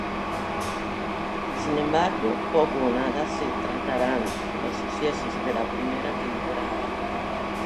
Sin embargo, poco o nada se trataran los sucesos de la primera temporada.